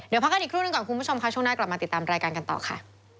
เดี๋ยวพักกันอีกครูหนึ่งก่อนคุณผู้ชมค่ะช่วงหน้ากลับมาติดตามรายการกันต่อค่ะ